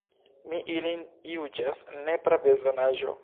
Mi ilin juĝas nepra bezonaĵo.